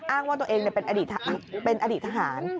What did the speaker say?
อ้างว่าตัวเองเป็นอดีตทหาร